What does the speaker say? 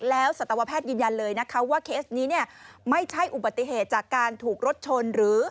แล้วศตวแพทย์ยินยันเลยว่าเคสนี้ไม่ใช่อุบัติเหตุจากการถูกรถชน